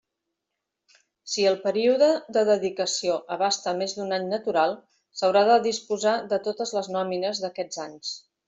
Si el període de dedicació abasta més d'un any natural, s'haurà de disposar de totes les nòmines d'aquests anys.